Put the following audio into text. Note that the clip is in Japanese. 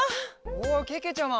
おおけけちゃま。